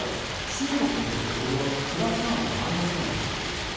中国にとってこれはプラスなのかマイナスなのか。